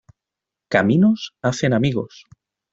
Caminos hacen amigos.